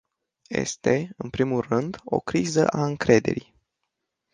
Este, în primul rând, o criză a încrederii.